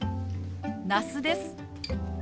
那須です。